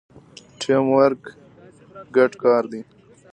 ټیم ورک ګډ کار دی